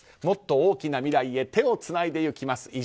もっと大きな未来へ手をつないでいきます